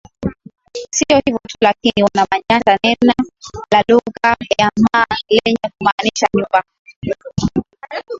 Sio hivyo tu lakini wana manyata neno la lugha ya Maa lenye kumaanisha nyumba